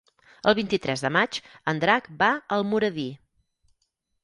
El vint-i-tres de maig en Drac va a Almoradí.